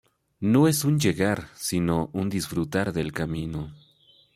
No es un llegar sino un disfrutar del camino.